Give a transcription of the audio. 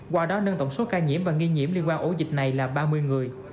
qua đó nâng tổng số ca nhiễm và nghi nhiễm liên quan ổ dịch này là ba mươi người